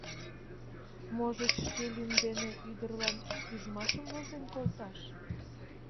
Можыч, шке лӱм дене ӱдырлан ӱжмашым возен колташ?